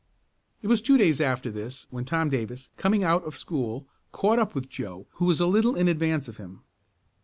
It was two days after this when Tom Davis, coming out of school, caught up with Joe who was a little in advance of him.